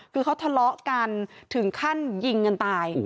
คือเขาทะเลาะกันถึงขั้นยิงกันตาย